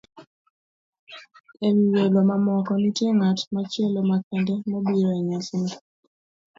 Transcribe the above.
E wi welo mamoko, nitie ng'at machielo makende mobiro e nyasino.